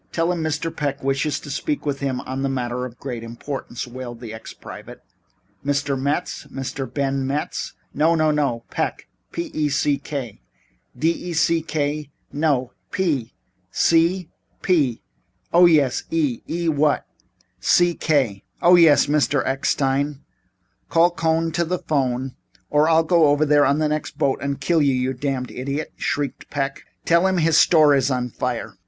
"Tell him Mr. Peck wishes to speak to him on a matter of very great importance," wailed the ex private. "Mr. Metz? Mr. Ben Metz? "No, no, no. Peck p e c k." "D e c k?" "No, P." "C?" "P." "Oh, yes, E. E what?" "C K " "Oh, yes, Mr. Eckstein." "Call Cohn to the 'phone or I'll go over there on the next boat and kill you, you damned idiot," shrieked Peck. "Tell him his store is on fire."